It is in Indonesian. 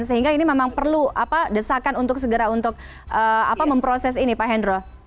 sehingga ini memang perlu desakan untuk segera untuk memproses ini pak hendro